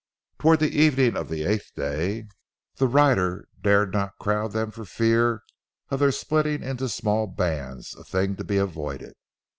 Toward the evening of the eighth day, the rider dared not crowd them for fear of their splitting into small bands, a thing to be avoided.